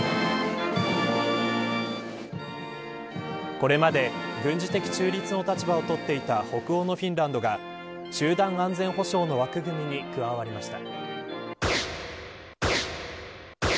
これまで軍事的中立の立場を取っていた北欧のフィンランドが集団安全保障の枠組みに加わりました。